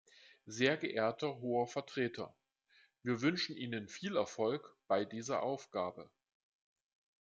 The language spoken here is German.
Sehr geehrter Hoher Vertreter, wir wünschen Ihnen viel Erfolg bei dieser Aufgabe.